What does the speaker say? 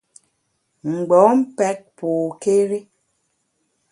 Mgbom pèt pokéri.